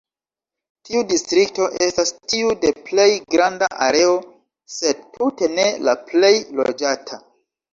Tiu distrikto estas tiu de plej granda areo, sed tute ne la plej loĝata.